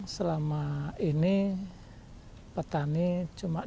selama ini petani cuma diminta untuk memanen